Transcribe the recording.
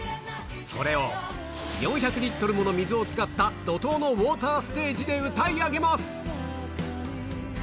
それを４００リットルもの水を使った、怒とうのウォーターステージで歌い上げます。